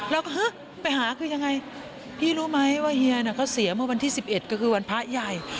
ฮึกไปหาคือยังไงพี่รู้ไหมว่าเฮียน่ะเขาเสียเมื่อวันที่๑๑ก็คือวันพระใหญ่